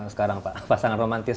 sekarang pak pasangan romantis